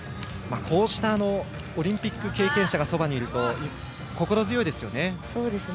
こうしたオリンピック経験者がそばにいると心強いですよね。